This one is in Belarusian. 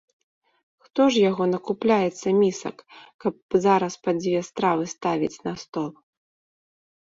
Хто ж яго накупляецца місак, каб зараз па дзве стравы ставіць на стол.